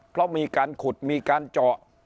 เพราะมีการขุดมีการเจาะ